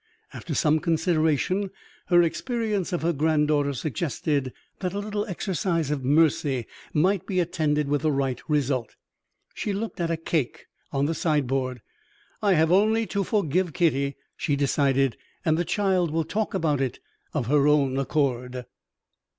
After some consideration, her experience of her granddaughter suggested that a little exercise of mercy might be attended with the right result. She looked at a cake on the sideboard. "I have only to forgive Kitty," she decided, "and the child will talk about it of her own accord." Chapter XXXI.